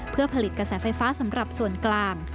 เพื่อผลิตกระแสไฟฟ้าสำหรับส่วนกลาง